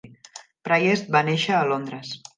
Priest va néixer a Londres.